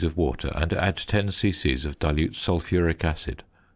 of water, and add 10 c.c. of dilute sulphuric acid.